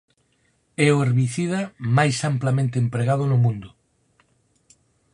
É o herbicida máis amplamente empregado no mundo.